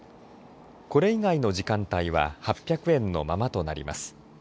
これ以外の時間帯は８００円のままとなります。